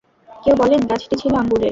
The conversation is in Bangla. কেউ বলেন, গাছটি ছিল আঙুরের।